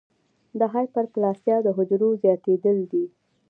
د هایپرپلاسیا د حجرو زیاتېدل دي.